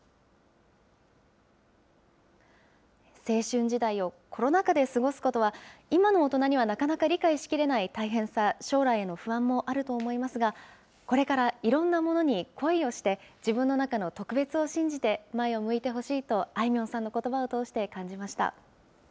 青春時代をコロナ禍で過ごすことは、今の大人にはなかなか理解しきれない大変さ、将来への不安もあると思いますが、これからいろんなものに恋をして、自分の中の特別を信じて、前を向いてほしいと、あいみょんさんのことばを通して感じました。